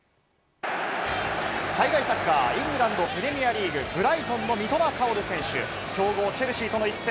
海外サッカー、イングランド・プレミアリーグ、ブライトンの三笘薫選手、強豪・チェルシーとの一戦。